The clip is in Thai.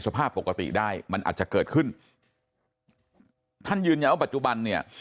สภาพปกติได้มันอาจจะเกิดขึ้นท่านยืนยันว่าปัจจุบันเนี่ย